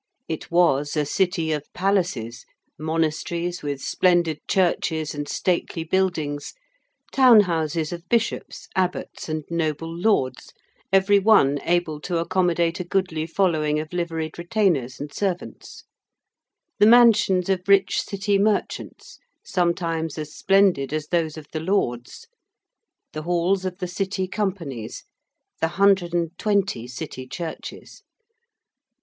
It was a City of Palaces monasteries, with splendid churches and stately buildings: town houses of bishops, abbots, and noble lords, every one able to accommodate a goodly following of liveried retainers and servants: the mansions of rich City merchants, sometimes as splendid as those of the lords: the halls of the City Companies: the hundred and twenty City churches.